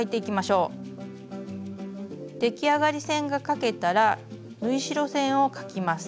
出来上がり線が描けたら縫い代線を描きます。